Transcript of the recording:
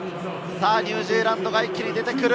ニュージーランドが一気に出てくる！